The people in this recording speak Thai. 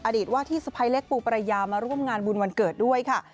อดีตว่าที่สะพ้ายเล็กปูประยามาร่วมงานบุญวันเกิดด้วยค่ะ